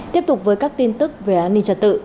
tiếp tục với các tin tức về an ninh trật tự